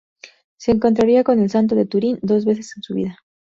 Se encontraría con el santo de Turín dos veces en su vida.